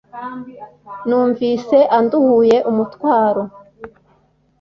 numvise anduhuye umutwaro